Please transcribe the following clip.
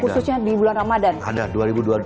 khususnya di bulan ramadan